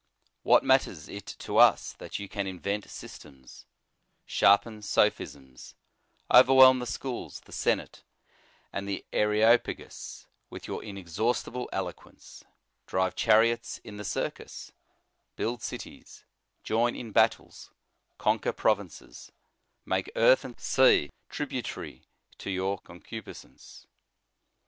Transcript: What matters it to us that you can invent systems; sharpen sophisms; overwhelm the schools, the senate, and the Areopagus with your inexhaustible eloquence; drive chariots in the circus, build cities ; join in battles, conquer provinces, make earth and sea tributary to your concu piscence